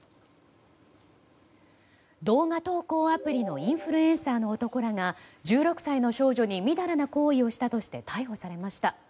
動画投稿アプリのインフルエンサーの男らが１６歳の少女にみだらな行為をしたとして逮捕されました。